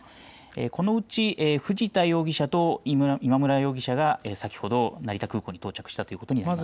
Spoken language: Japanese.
このうち藤田容疑者と今村容疑者が先ほど成田空港に到着したということです。